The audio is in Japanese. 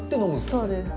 そうです。